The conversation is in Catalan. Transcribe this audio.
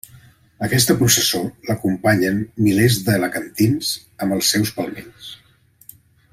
A aquesta processó l'acompanyen milers d'alacantins amb els seus palmells.